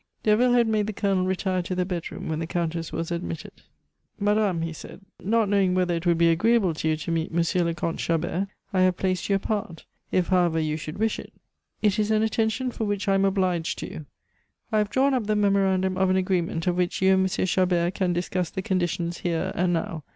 Derville had made the Colonel retire to the bedroom when the Countess was admitted. "Madame," he said, "not knowing whether it would be agreeable to you to meet M. le Comte Chabert, I have placed you apart. If, however, you should wish it " "It is an attention for which I am obliged to you." "I have drawn up the memorandum of an agreement of which you and M. Chabert can discuss the conditions, here, and now.